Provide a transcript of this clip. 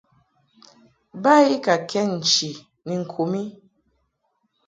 Ba I ka kɛd nchi ni ŋku mi.